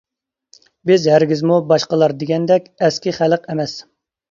بىز ھەرگىزمۇ باشقىلار دېگەندەك ئەسكى خەلق ئەمەس.